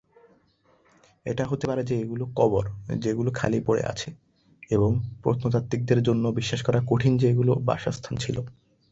এটা হতে পারে যে এগুলো কবর যেগুলো খালি পড়ে আছে, এবং প্রত্নতাত্ত্বিকদের জন্য বিশ্বাস করা কঠিন যে এগুলো বাসস্থান ছিল।